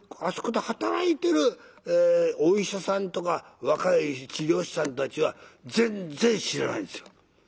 あそこで働いてるお医者さんとか若い治療師さんたちは全然知らないんですよ。